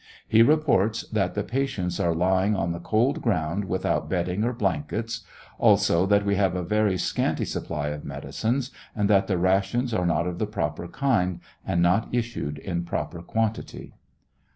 He reports, " that the patients are lying on the cold ground, without bedding or blankets ; also, that we have a very scanty supply of medicines, and that the rations are not of the proper kind, and not issued in proper quantity."